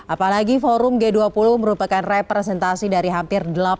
apalagi forum g dua puluh merupakan representasi dari hampir